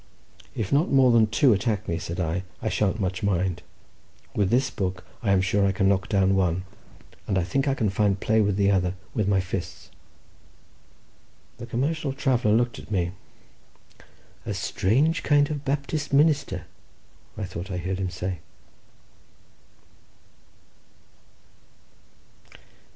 "If not more than two attack me," said I, "I shan't much mind. With this book I am sure I can knock down one, and I think I can find play for the other with my fists." The commercial traveller looked at me. "A strange kind of Baptist minister," I thought I heard him say.